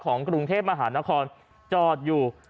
ของกรุงเทพมหานครจอดอยู่